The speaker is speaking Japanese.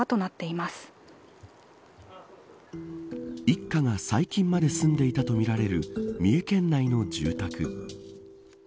一家が最近まで住んでいたとみられる三重県内の住宅。